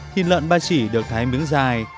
thịt lợn ba chỉ được thái miếng dài